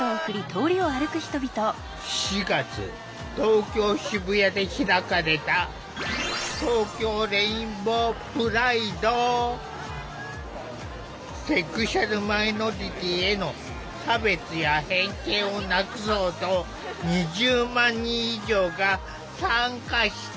４月東京・渋谷で開かれたセクシュアルマイノリティーへの差別や偏見をなくそうと２０万人以上が参加した。